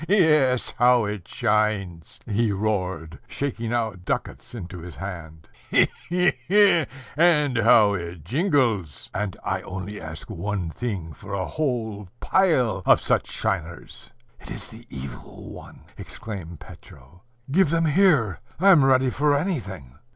"He, he, he! yes, how it shines!" he roared, shaking out ducats into his hand: "he, he, he! and how it jingles! And I only ask one thing for a whole pile of such shiners." "It is the Evil One!" exclaimed Petro: "Give them here! I'm ready for anything!"